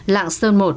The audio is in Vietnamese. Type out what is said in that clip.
lạng sơn một